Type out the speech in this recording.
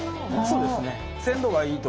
そうですね。